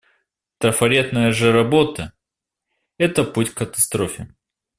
Трафаретная же работа — это путь к катастрофе.